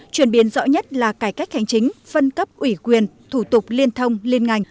chuyển biến rõ nhất là cải cách hành chính phân cấp ủy quyền thủ tục liên thông liên ngành